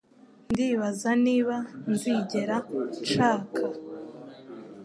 Ndibaza niba nzigera nshaka